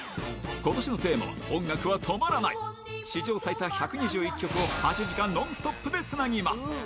今年のテーマは「音楽は止まらない」。史上最多１２１曲を８時間ノンストップでつなぎます。